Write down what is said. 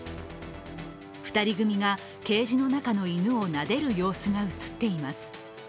２人組がケージの中の犬をなでる様子が映っています。